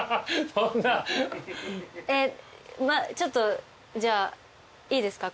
ちょっとじゃあいいですか？